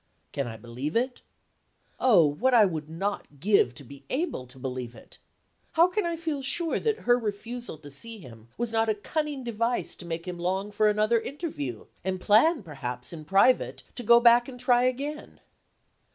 Can I believe it? Oh, what would I not give to be able to believe it! How can I feel sure that her refusal to see him was not a cunning device to make him long for another interview, and plan perhaps in private to go back and try again.